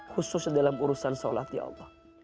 khusus dalam urusan sholat ya allah